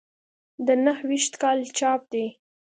د نهه ویشت کال چاپ دی.